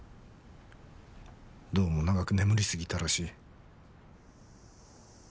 どうも長く眠りすぎたらしい。